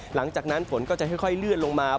หลังจากนั้นฝนก็จะค่อยเลื่อนลงมา